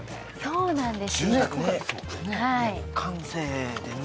そうなんです